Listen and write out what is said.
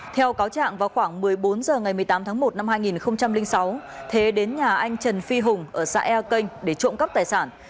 theo cáo trạng vào khoảng một mươi bốn h ngày một mươi tám tháng một năm hai nghìn sáu thế đến nhà anh trần phi hùng ở xã ea canh để trộm cắp tài sản